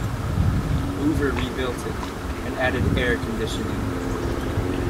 Hoover rebuilt it, and added air-conditioning.